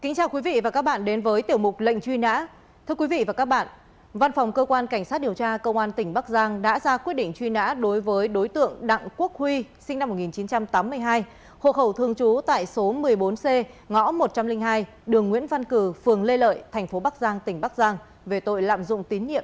hãy đăng ký kênh để ủng hộ kênh của chúng mình nhé